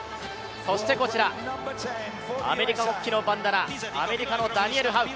アメリカ国旗のバンダナ、アメリカのダニエル・ハウ。